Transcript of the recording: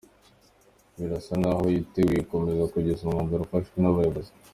Birasa naho yiteguye gukomeza kugeza umwanzuro ufashwe n’abayobozi.”